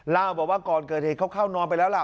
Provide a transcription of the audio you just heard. เล่าบอกว่าก่อนเกิดเหตุเขาเข้านอนไปแล้วล่ะ